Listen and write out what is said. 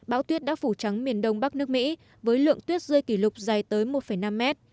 bão tuyết đã phủ trắng miền đông bắc nước mỹ với lượng tuyết rơi kỷ lục dài tới một năm mét